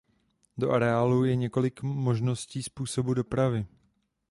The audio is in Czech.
Do areálu je několik možností způsobu dopravy.